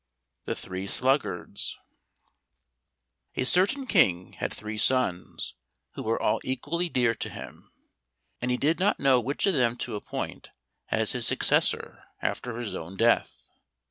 151 The Three Sluggards A certain King had three sons who were all equally dear to him, and he did not know which of them to appoint as his successor after his own death.